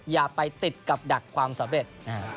อย่าไปติดกับดักความสำเร็จ